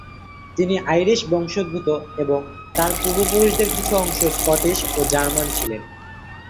তিনি আইরিশ বংশোদ্ভূত এবং তার পূর্বপুরুষদের কিছু অংশ স্কটিশ ও জার্মান ছিলেন।